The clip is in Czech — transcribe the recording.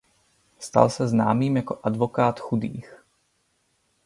Stal se známým jako „advokát chudých“.